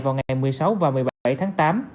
vào ngày một mươi sáu và một mươi bảy tháng tám